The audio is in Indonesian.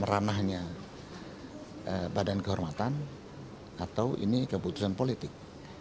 ranahnya badan kehormatan atau ini keputusan politik